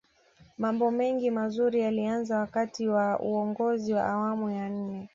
mambo mengi mazuri yalianza wakati wa uongozi wa awamu ya nne